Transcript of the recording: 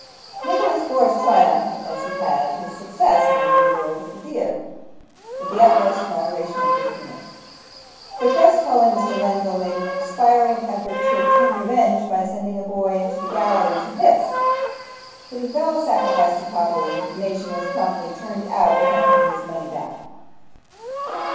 Nicholas bore his triumph, as he had his success in the little world of the theatre, with the utmost moderation and good humour. The crestfallen Mr. Lenville made an expiring effort to obtain revenge by sending a boy into the gallery to hiss, but he fell a sacrifice to popular indignation, and was promptly turned out without having his money back.